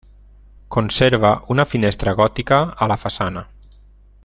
Conserva una finestra gòtica a la façana.